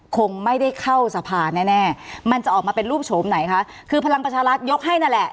คงไม่ได้เข้าสภาแน่แน่มันจะออกมาเป็นรูปโฉมไหนคะคือพลังประชารัฐยกให้นั่นแหละ